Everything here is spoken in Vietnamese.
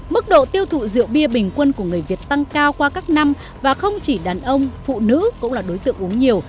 mức độ tiêu thụ rượu bia bình quân của người việt tăng cao qua các năm và không chỉ đàn ông phụ nữ cũng là đối tượng uống nhiều